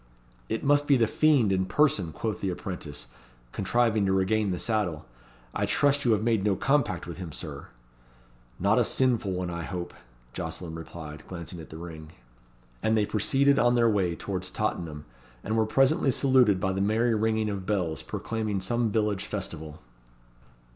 "It must be the Fiend in person," quoth the apprentice, contriving to regain the saddle. "I trust you have made no compact with him, Sir." "Not a sinful one I hope," Jocelyn replied, glancing at the ring. And they proceeded on their way towards Tottenham, and were presently saluted by the merry ringing of bells, proclaiming some village festival.